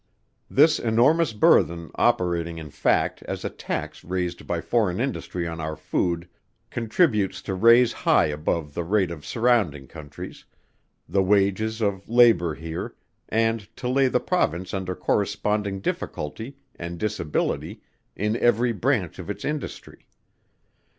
This enormous burthen operating in fact, as a tax raised by foreign industry on our food, contributes to raise high above the rate in surrounding Countries, the wages of labour here, and to lay the Province under corresponding difficulty and disability in every branch of its industry.